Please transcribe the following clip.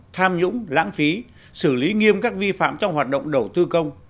tham nhũng lãng phí xử lý nghiêm các vi phạm trong hoạt động đầu tư công